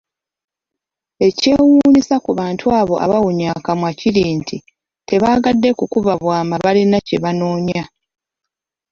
Ekyewuunyisa ku bantu abo abawunya akamwa kiri nti, tebaagadde kukuba bwama balina kye banoonya.